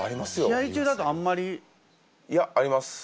試合中だとあんまり？いやあります！